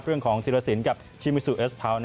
เรื่องของฮิลาสินกับชิมิซุเอสพาวน์